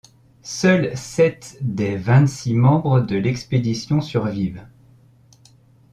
Seuls sept des vingt-six membres de l'expédition survivent.